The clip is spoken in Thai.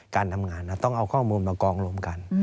การทำงานต้องเอาข้อมูลมากองรวมกัน